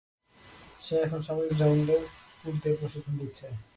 সে এখন সামরিক গ্রাউন্ডে কুকুরদের প্রশিক্ষণ দিচ্ছে।